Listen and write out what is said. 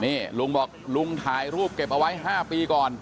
นี่ลุงบอกลุงถ่ายรูปเก็บเอาไว้๕ปีก่อน